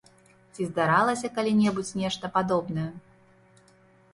Ці здаралася калі-небудзь нешта падобнае?